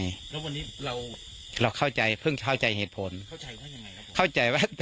แล้ววันนี้เราเราเข้าใจเพิ่งเข้าใจเหตุผลเข้าใจว่ายังไงครับเข้าใจว่า